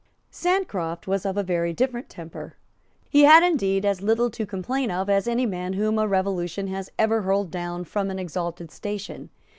Sancroft was of a very different temper. He had, indeed, as little to complain of as any man whom a revolution has ever hurled down from an exalted station.